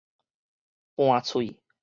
盤喙